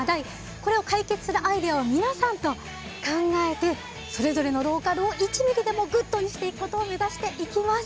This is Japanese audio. これを解決するアイデアを皆さんと考えてそれぞれのローカルを１ミリでもグッドにしていくことを目指していきます。